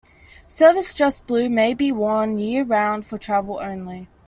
Service Dress Blue may be worn year round for travel only.